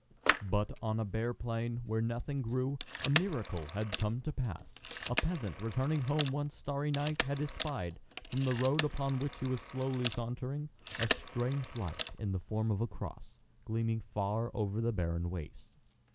But on a bare plain, where nothing grew, a miracle had come to pass: a peasant, returning home one starry night, had espied, from the road upon which he was slowly sauntering, a strange light in the form of a cross, gleaming far over the barren waste.